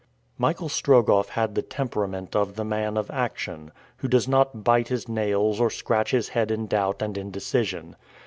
Michael Strogoff had the temperament of the man of action, who does not bite his nails or scratch his head in doubt and indecision.